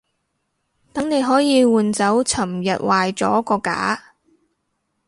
等你可以換走尋日壞咗嗰架